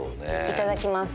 いただきます。